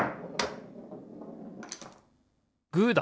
グーだ！